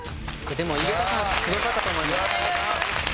でも井桁さんすごかったと思います。